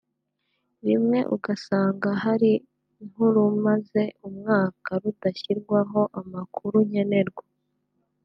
rimwe ugasanga hari nk’urumaze umwaka rudashyirwaho amakuru nkenerwa